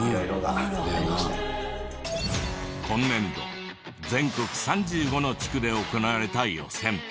今年度全国３５の地区で行われた予選。